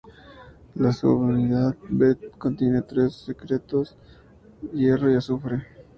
La subunidad B contiene tres centros hierro-azufre.